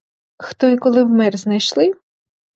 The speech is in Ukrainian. Хто і коли вмер — знайшли?